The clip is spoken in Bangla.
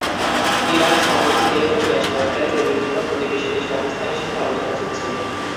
ইরান সম্প্রতি তেল ও গ্যাস পাইপলাইন তৈরির জন্য প্রতিবেশী দেশ পাকিস্তানের সাথে আলোচনা চলছে।